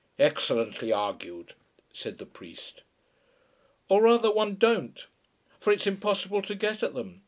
"Excellently argued," said the priest. "Or rather one don't, for it's impossible to get at them.